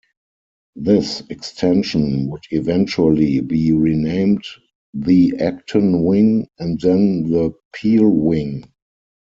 This extension would eventually be renamed the Egton Wing, and then the Peel Wing.